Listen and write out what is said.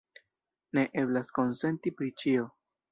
Ne eblas konsenti pri ĉio.